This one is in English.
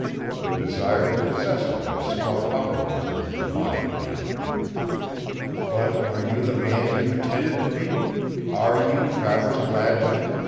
The desire to possess her had sprung uppermost in his mind again. "But are you the man you pretended to be are you Travers Gladwin?"